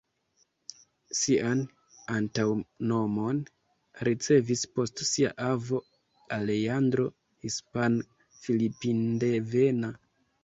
Sian antaŭnomon ricevis post sia avo, Alejandro, hispan-filipindevena.